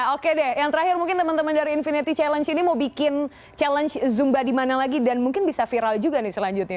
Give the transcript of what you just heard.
oke deh yang terakhir mungkin teman teman dari infinity challenge ini mau bikin challenge zumba di mana lagi dan mungkin bisa viral juga nih selanjutnya